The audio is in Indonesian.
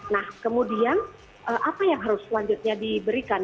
nah kemudian apa yang harus selanjutnya diberikan